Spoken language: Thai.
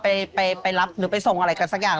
ไปไปรับหรือไปส่งอะไรกันสักอย่าง